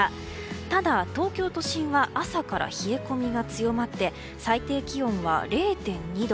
ただ、東京都心は朝から冷え込みが強まって最低気温は０．２度。